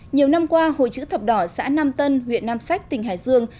nhiều năm qua hội chữ thập đỏ xã nam tân huyện nam sách tỉnh hải dương